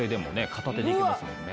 片手でいけますもんね。